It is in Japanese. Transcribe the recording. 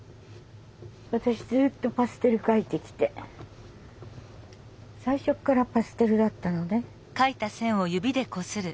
私ずっとパステル描いてきて最初っからパステルだったのね。